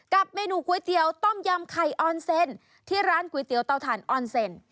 เมนูก๋วยเตี๋ยวต้มยำไข่ออนเซ็นที่ร้านก๋วยเตี๋ยวเตาถ่านออนเซ็น